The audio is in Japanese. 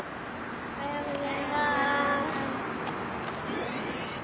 おはようございます。